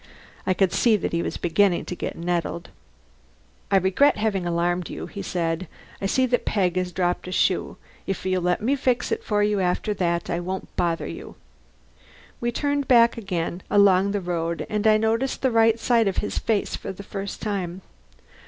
I could see that he was beginning to get nettled. "I regret having alarmed you," he said. "I see that Peg has dropped a shoe. If you'll let me fix it for you, after that I won't bother you." We turned back again along the road, and I noticed the right side of his face for the first time.